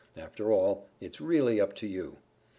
After all, its really up to you.